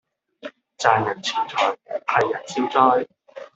賺人錢財替人消災